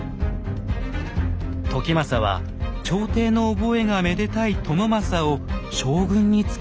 時政は朝廷の覚えがめでたい朝雅を将軍につけようとしたのです。